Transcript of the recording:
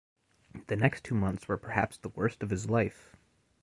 The next two months were perhaps the worst of his life.